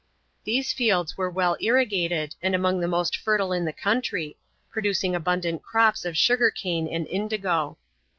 These fields were well irrigated, and among the most fertile in the country, producing abundant crops of sugar cane and indigo.